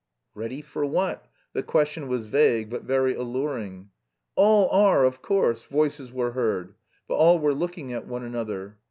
(Ready for what? The question was vague, but very alluring.) "All are, of course!" voices were heard. But all were looking at one another.